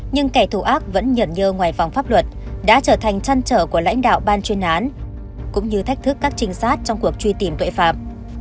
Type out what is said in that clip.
nhưng kẻ thù ác vẫn nhận nhơ ngoài phòng pháp luật đã trở thành chăn trở của lãnh đạo ban chuyên án cũng như thách thức các trinh sát trong cuộc truy tìm tội phạm